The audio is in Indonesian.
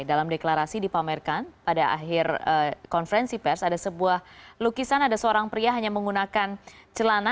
dalam deklarasi dipamerkan pada akhir konferensi pers ada sebuah lukisan ada seorang pria hanya menggunakan celana